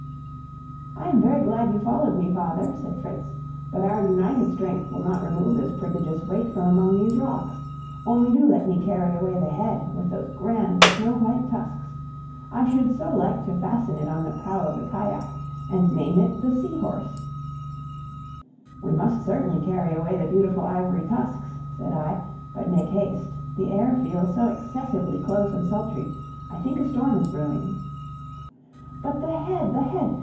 "I am very glad you followed me, father," said Fritz; "but our united strength will not remove this prodigious weight from among these rocks; only do let me carry away the head, with these grand, snow white tusks! I should so like to fasten it on the prow of the cajack, and name it the Sea horse." "We must certainly carry away the beautiful ivory tusks," said I; "but make haste; the air feels so excessively close and sultry, I think a storm is brewing." "But the head! the head!